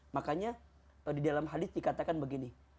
makanya di dalam hadit dikatakan begini